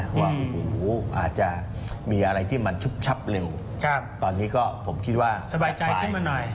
ว่าโอ้โหอาจจะมีอะไรที่มันชุบชับเร็วตอนนี้ก็ผมคิดว่าสบายใจขึ้นมาหน่อย